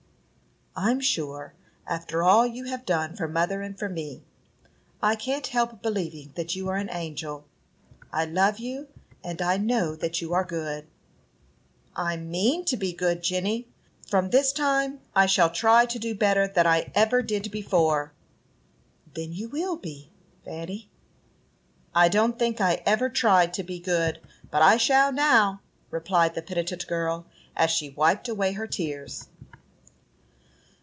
"I'm sure, after all you have done for mother and for me, I can't help believing that you are an angel. I love you, and I know that you are good." "I mean to be good, Jenny. From this time I shall try to do better than I ever did before." "Then you will be, Fanny." "I don't think I ever tried to be good, but I shall now," replied the penitent girl, as she wiped away her tears.